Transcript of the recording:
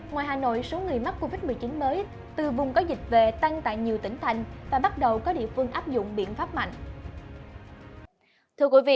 ngoài hà nội số người mắc covid một mươi chín mới từ vùng có dịch về tăng tại nhiều tỉnh thành và bắt đầu có địa phương áp dụng biện pháp mạnh